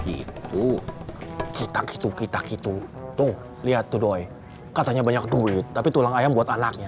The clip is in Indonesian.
itu kita gitu kita gitu tung lihat tuh doi katanya banyak duit tapi tulang ayam buat anaknya